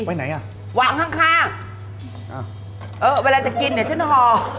ไปไหนอ่ะหวั่งข้างเออเวลาจะกินเดี๋ยวฉันห่อ